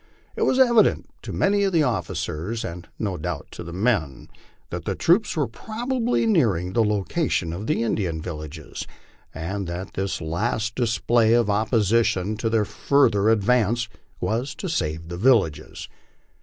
It was evident to many of the officers, and no doubt to the men, that the troops were probably nearing the location of the Indian villages, and that this last display of opposition to their further advance was to save the villages.